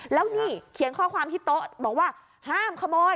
แล้วนี่เขียนข้อความที่โต๊ะบอกว่าห้ามขโมย